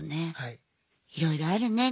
いろいろあるね。